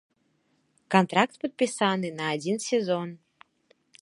Кантракт падпісаны на адзін сезон.